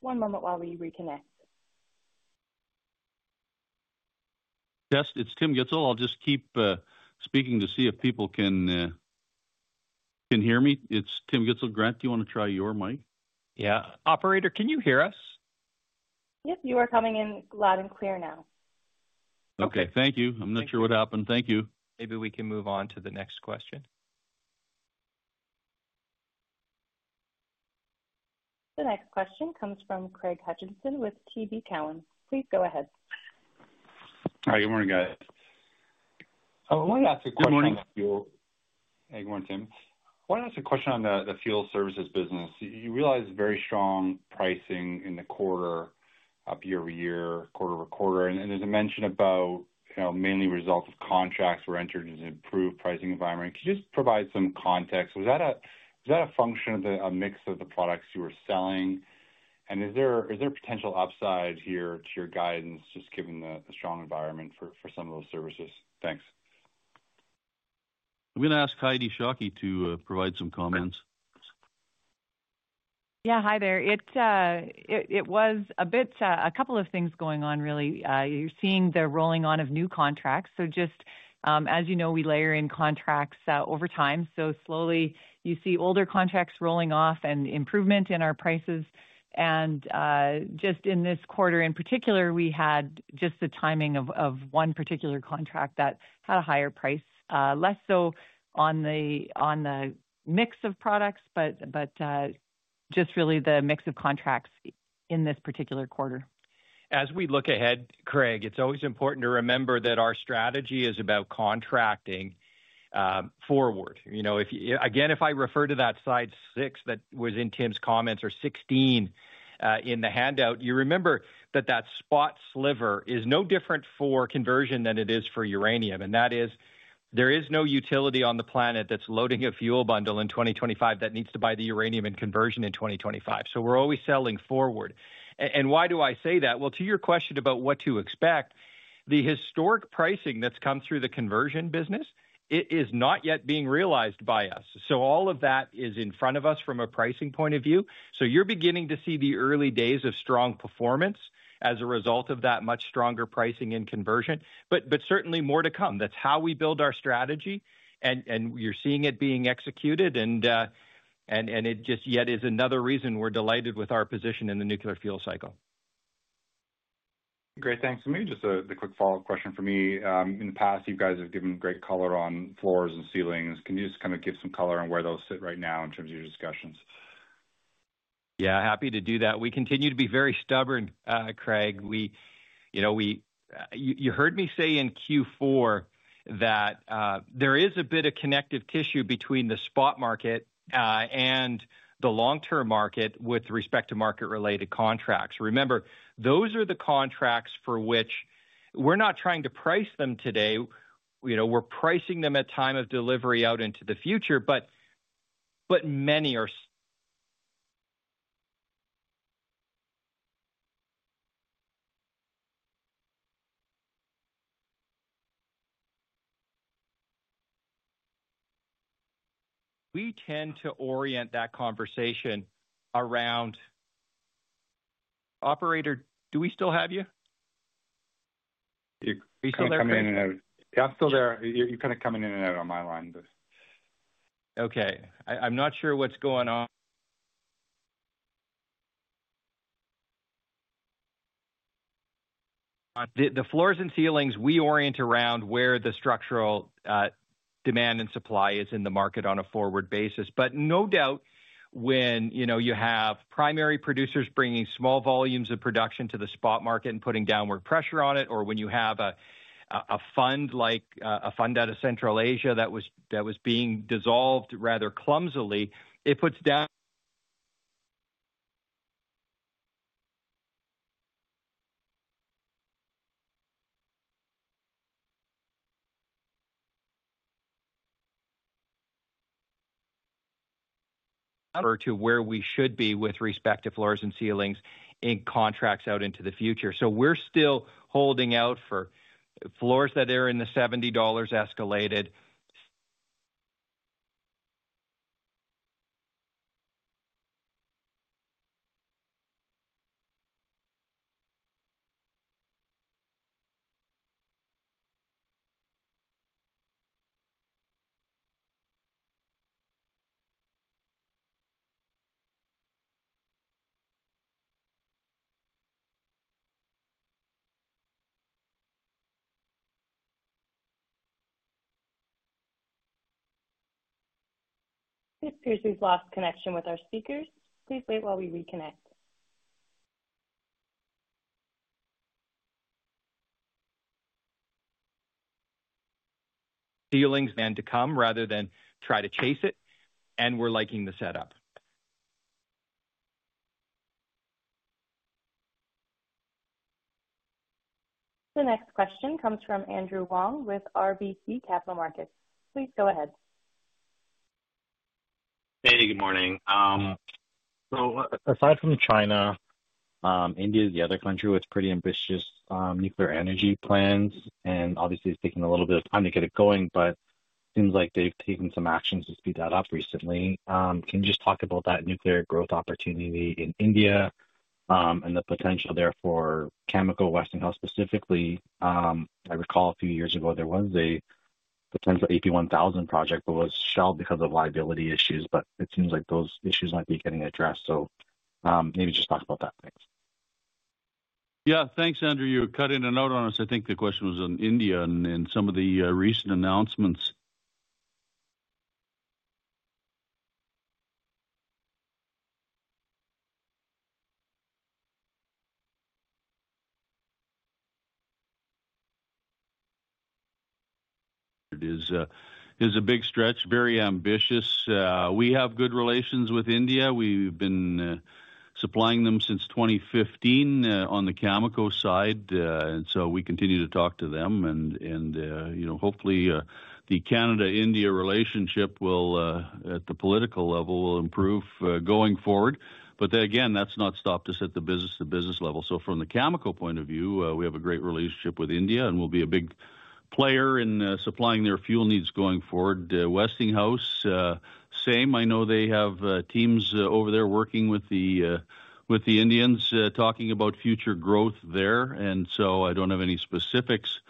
One moment while we reconnect. Test, it's Tim Gitzel. I'll just keep speaking to see if people can hear me. It's Tim Gitzel. Grant, do you want to try your mic? Yeah. Operator, can you hear us? Yep, you are coming in loud and clear now. Okay. Thank you. I'm not sure what happened. Thank you. Maybe we can move on to the next question. The next question comes from Craig Hutchinson with TD Cowen. Please go ahead. Hi. Good morning, guys. I want to ask a question on the fuel. Hey, good morning, Tim. I want to ask a question on the fuel services business. You realize very strong pricing in the quarter, year-over-year, quarter-over-quarter. There is a mention about mainly result of contracts were entered into improved pricing environment. Could you just provide some context? Was that a function of the mix of the products you were selling? Is there potential upside here to your guidance, just given the strong environment for some of those services? Thanks. I'm going to ask Heidi Shockey to provide some comments. Yeah, hi there. It was a couple of things going on, really. You're seeing the rolling on of new contracts. Just as you know, we layer in contracts over time. Slowly, you see older contracts rolling off and improvement in our prices. Just in this quarter in particular, we had just the timing of one particular contract that had a higher price, less so on the mix of products, but just really the mix of contracts in this particular quarter. As we look ahead, Craig, it's always important to remember that our strategy is about contracting forward. Again, if I refer to that slide six that was in Tim's comments or 16 in the handout, you remember that that spot sliver is no different for conversion than it is for uranium. That is, there is no utility on the planet that's loading a fuel bundle in 2025 that needs to buy the uranium in conversion in 2025. We are always selling forward. Why do I say that? To your question about what to expect, the historic pricing that has come through the conversion business, it is not yet being realized by us. All of that is in front of us from a pricing point of view. You are beginning to see the early days of strong performance as a result of that much stronger pricing in conversion, but certainly more to come. That is how we build our strategy. You are seeing it being executed. It just yet is another reason we are delighted with our position in the nuclear fuel cycle. Great. Thanks. Maybe just a quick follow-up question for me. In the past, you guys have given great color on floors and ceilings. Can you just kind of give some color on where those sit right now in terms of your discussions? Yeah, happy to do that. We continue to be very stubborn, Craig. You heard me say in Q4 that there is a bit of connective tissue between the spot market and the long-term market with respect to market-related contracts. Remember, those are the contracts for which we're not trying to price them today. We're pricing them at time of delivery out into the future, but many are. We tend to orient that conversation around, "Operator, do we still have you?" You're kind of coming in and out. Yeah, I'm still there. You're kind of coming in and out on my line. Okay. I'm not sure what's going on. The floors and ceilings, we orient around where the structural demand and supply is in the market on a forward basis. No doubt, when you have primary producers bringing small volumes of production to the spot market and putting downward pressure on it, or when you have a fund like a fund out of Central Asia that was being dissolved rather clumsily, it puts down. To where we should be with respect to floors and ceilings in contracts out into the future. We're still holding out for floors that are in the $70 escalated. This appears we've lost connection with our speakers. Please wait while we reconnect. Ceilings and to come rather than try to chase it. We're liking the setup. The next question comes from Andrew Wong with RBC Capital Markets. Please go ahead. Hey, good morning. Aside from China, India is the other country with pretty ambitious nuclear energy plans. Obviously, it's taking a little bit of time to get it going, but it seems like they've taken some actions to speed that up recently. Can you just talk about that nuclear growth opportunity in India and the potential there for Cameco Westinghouse specifically? I recall a few years ago, there was a potential AP1000 project, but was shelved because of liability issues. It seems like those issues might be getting addressed. Maybe just talk about that, thanks. Yeah. Thanks, Andrew. You were cutting a note on us. I think the question was on India and some of the recent announcements. It is a big stretch, very ambitious. We have good relations with India. We've been supplying them since 2015 on the Cameco side. We continue to talk to them. Hopefully, the Canada-India relationship at the political level will improve going forward. Again, that's not stopped us at the business level. From the Cameco point of view, we have a great relationship with India and will be a big player in supplying their fuel needs going forward. Westinghouse, same. I know they have teams over there working with the Indians, talking about future growth there. I do not have any specifics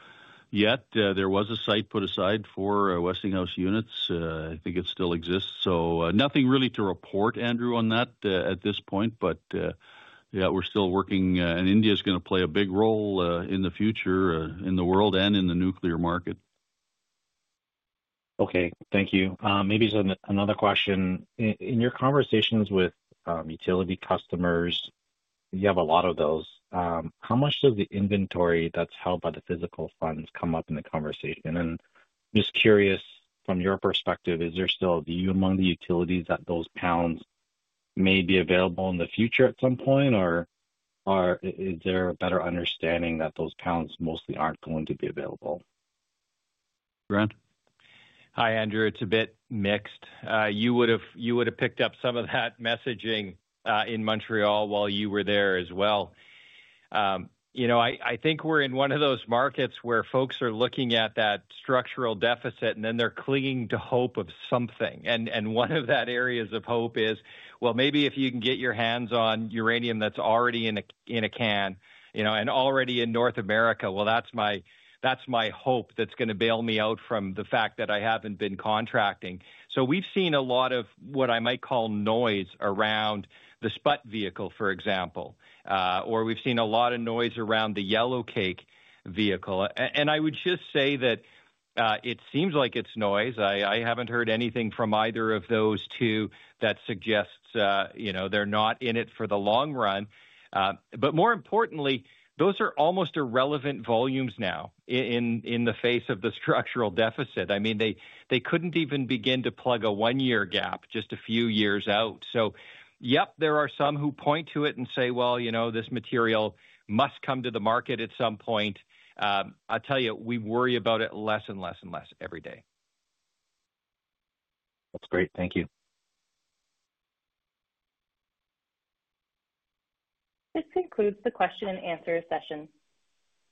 yet. There was a site put aside for Westinghouse units. I think it still exists. Nothing really to report, Andrew, on that at this point. Yeah, we're still working. India is going to play a big role in the future, in the world and in the nuclear market. Okay. Thank you. Maybe just another question. In your conversations with utility customers, you have a lot of those. How much of the inventory that's held by the physical funds comes up in the conversation? I'm just curious, from your perspective, is there still a view among the utilities that those pounds may be available in the future at some point, or is there a better understanding that those pounds mostly aren't going to be available? Grant. Hi, Andrew. It's a bit mixed. You would have picked up some of that messaging in Montreal while you were there as well. I think we're in one of those markets where folks are looking at that structural deficit, and then they're clinging to hope of something. One of those areas of hope is, maybe if you can get your hands on uranium that's already in a can and already in North America, that's my hope that's going to bail me out from the fact that I haven't been contracting. We have seen a lot of what I might call noise around the Sput vehicle, for example. Or we have seen a lot of noise around the Yellowcake vehicle. I would just say that it seems like it is noise. I have not heard anything from either of those two that suggests they are not in it for the long run. More importantly, those are almost irrelevant volumes now in the face of the structural deficit. I mean, they could not even begin to plug a one-year gap just a few years out. There are some who point to it and say, this material must come to the market at some point. I will tell you, we worry about it less and less and less every day. That is great. Thank you. This concludes the question and answer session.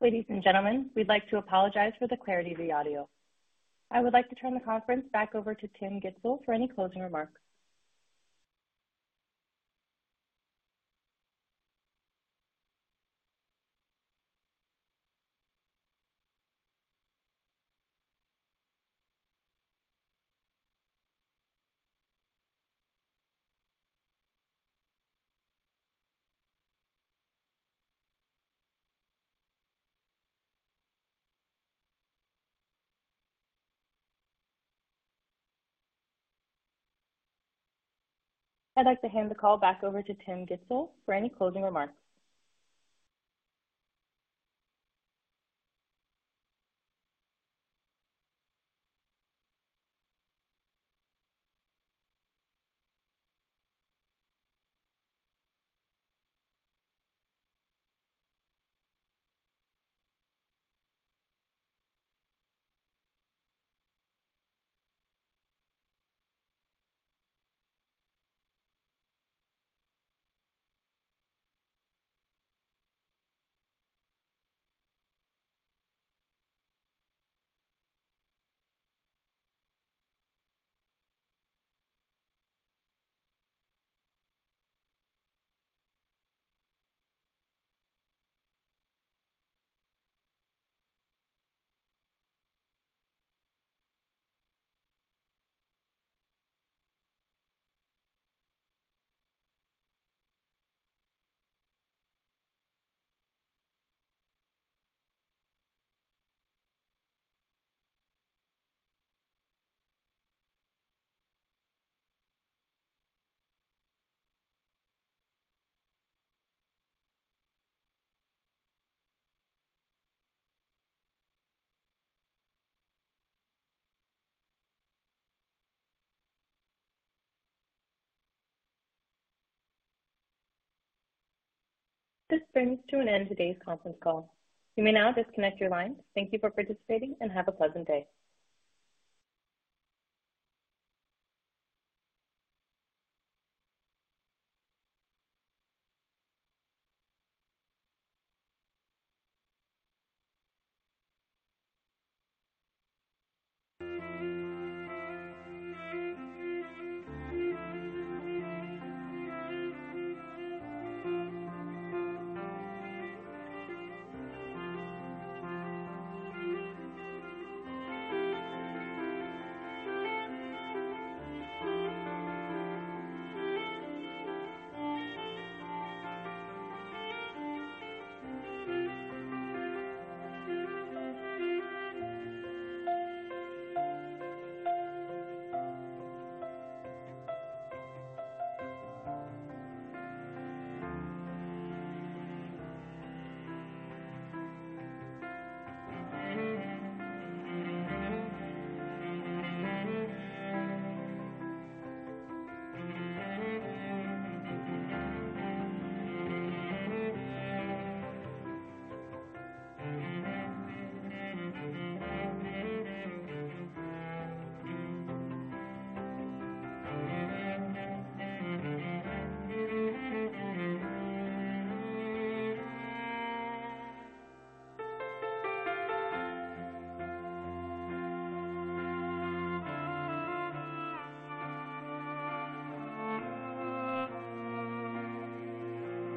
Ladies and gentlemen, we would like to apologize for the clarity of the audio.I would like to turn the conference back over to Tim Gitzel for any closing remarks. I'd like to hand the call back over to Tim Gitzel for any closing remarks. This brings to an end today's conference call. You may now disconnect your lines. Thank you for participating and have a pleasant day.